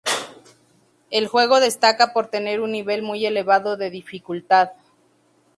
El juego destaca por tener un nivel muy elevado de dificultad.